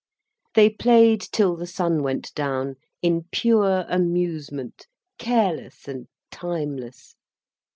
They played till the sun went down, in pure amusement, careless and timeless.